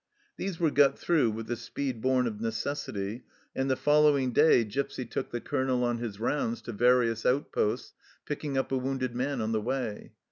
These were got through with the speed born of necessity, and the following day Gipsy took the 19: 20 THE CELLAR HOUSE OF PERVYSE Colonel on his rounds to various outposts, picking up a wounded man on the way.